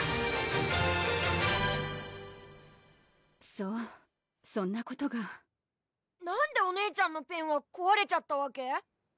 そうそんなことがなんでお姉ちゃんのペンはこわれちゃったわけ？